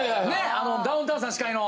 あのダウンタウンさん司会の。